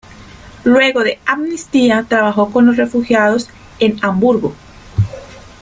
Luego de amnistía trabajo con los refugiados en Hamburgo.